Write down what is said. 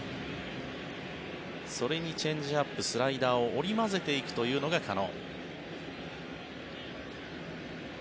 それにチェンジアップスライダーを織り交ぜていくというのがカノ。